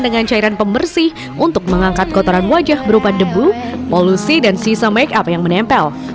dengan cairan pembersih untuk mengangkat kotoran wajah berupa debu polusi dan sisa make up yang menempel